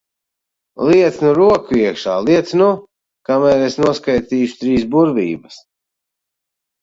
Liec nu roku iekšā, liec nu! Kamēr es noskaitīšu trīs burvības.